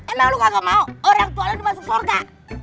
emang lu kagak mau orang tua lu masuk sorga